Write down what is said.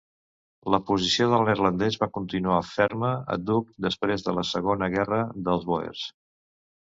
La posició del neerlandès va continuar ferma àdhuc després de la segona guerra dels bòers.